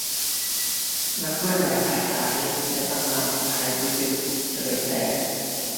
นักเคลื่อนไหวฝ่ายซ้ายในตำนานของไทย : ดุสิต เฉลิมแสน